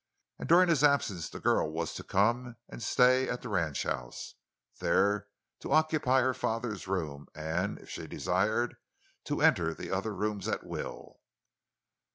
And during his absence the girl was to come and stay at the ranchhouse, there to occupy her father's room and, if she desired, to enter the other rooms at will.